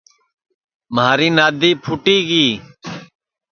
مھاری نادی پھُوٹی گی